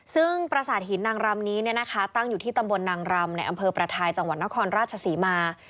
ซึ่งประสาทหินนางรำนี้ตั้งอยู่ที่ตำบลนางรำในอำเภอประทายจังหวัดนครราชศรีมา